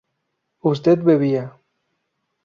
usted bebía